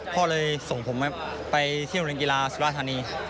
พ่อเลยส่งผมไปเที่ยวโรงเรียนกีฬาสุราธานี